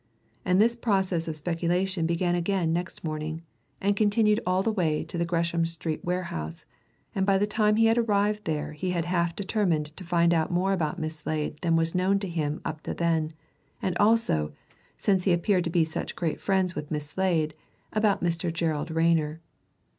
And this process of speculation began again next morning, and continued all the way to the Gresham Street warehouse, and by the time he had arrived there he had half determined to find out more about Miss Slade than was known to him up to then and also, since he appeared to be such great friends with Miss Slade, about Mr. Gerald Rayner.